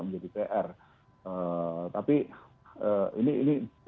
korupsi pemerintah nicht oft